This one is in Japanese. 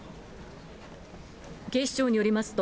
警視庁によりますと、